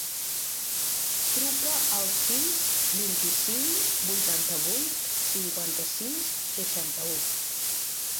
Truca al sis, vint-i-cinc, vuitanta-vuit, cinquanta-sis, seixanta-u.